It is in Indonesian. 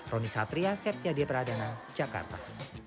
roni satria septiade pradana jakarta